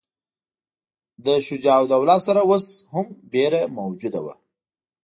له شجاع الدوله سره اوس هم وېره موجوده وه.